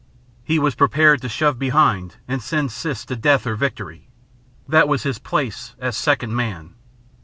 He was prepared to shove behind and send Siss to death or victory. That was his place as second man.